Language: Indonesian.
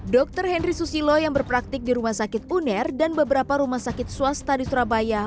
dr henry susilo yang berpraktik di rumah sakit uner dan beberapa rumah sakit swasta di surabaya